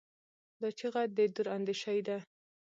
دا چیغه د دوراندیشۍ ده.